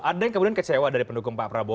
ada yang kemudian kecewa dari pendukung pak prabowo